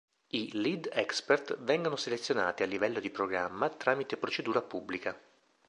I Lead Expert vengono selezionati a livello di Programma, tramite procedura pubblica.